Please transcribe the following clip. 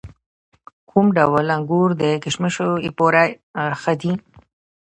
کوم ډول انګور د کشمشو لپاره ښه دي؟